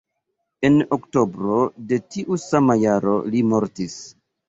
En oktobro de tiu sama jaro li mortis.